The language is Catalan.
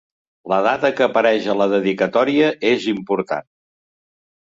La data que apareix a la dedicatòria és important.